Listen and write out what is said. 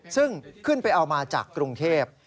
ซึ่งขึ้นไปเอามาจากกรุงเทพ